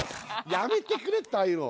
やめてくれってああいうの。